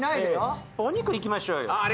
お肉いきましょうよ。